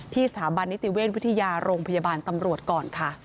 สถาบันนิติเวชวิทยาโรงพยาบาลตำรวจก่อนค่ะ